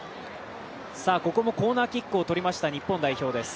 ここもコーナーキックをとりました、日本代表。